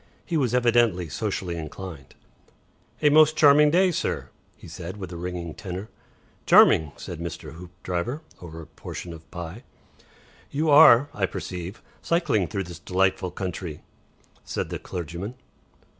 He was evidently socially inclined. "A most charming day, sir," he said, in a ringing tenor. "Charming," said Mr. Hoopdriver, over a portion of pie. "You are, I perceive, cycling through this delightful country," said the clergyman.